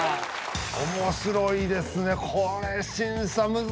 面白いですね。